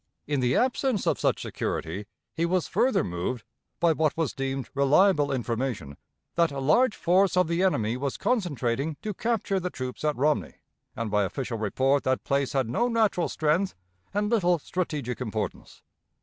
In the absence of such security, he was further moved by what was deemed reliable information, that a large force of the enemy was concentrating to capture the troops at Romney, and by official report that place had no natural strength and little strategic importance.